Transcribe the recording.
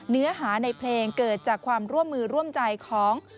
เนื้อหาในเพลงเกิดจากความร่วมมือร่วมใจของ